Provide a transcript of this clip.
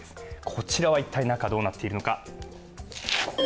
こちらは一体、中どうなっているのか。